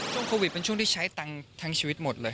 ช่วงโควิดเป็นช่วงที่ใช้ตังค์ทั้งชีวิตหมดเลย